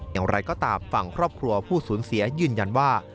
อย่างไรก็ตามฝั่งครอบครัวผู้สูญเสียยืนยันว่า